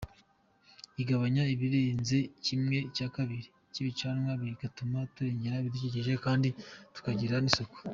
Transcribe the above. Igabanya ibirenze kimwe cya kabiri cy’ibicanwa bigatuma turengera ibidukikije kandi tukagira n’isuku.